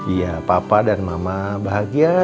iya papa dan mama bahagia